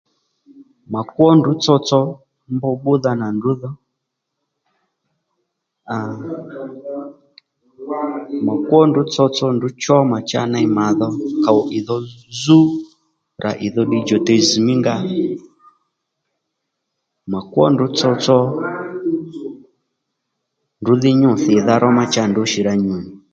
Ma kwó ndrǔ tsotso mb bbúdha nà ndrǔ dhò à mà kwó ndrǔ tsotso ndrǔ chó mà cha ney màdho kòw ìdho zú rà ìdho ddiy djùtey zz̀ mí nga mà kwó ndrǔ tsotso ndrǔ dhí nyû thìdha ró má cha ndrǔ nì rǎ nyù nì